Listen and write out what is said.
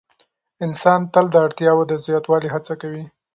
انسان تل د اړتیاوو د زیاتوالي هڅه کوي.